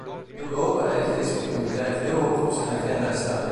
Europa heeft deze prioriteit heel hoog op zijn agenda staan.